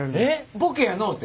ボケやのうて？